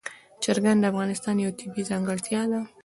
چرګان د افغانستان یوه طبیعي ځانګړتیا ده.